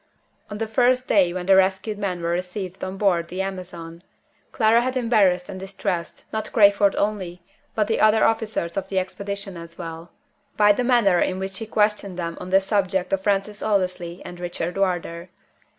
On the first day when the rescued men were received on board the Amazon, Clara had embarrassed and distressed, not Crayford only, but the other officers of the Expedition as well, by the manner in which she questioned them on the subject of Francis Aldersley and Richard Wardour.